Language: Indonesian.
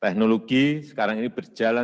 teknologi sekarang ini berjalan dengan kemampuan